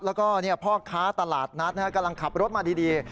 แล้วก็เนี่ยพ่อค้าตลาดนัดนะฮะกำลังขับรถมาดี